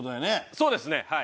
そうですねはい。